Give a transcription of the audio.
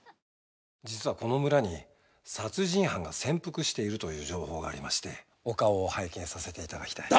実はこの村に殺人犯が潜伏しているという情報がありましてお顔を拝見させていただきたい。